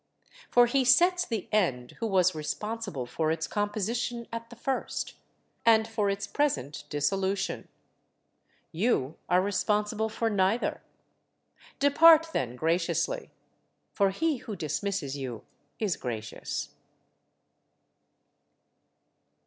For he sets the end who was responsible for its composition at the first, and for its present dissolution. You are responsible for neither. Depart then graciously; for he who dismisses you is gracious.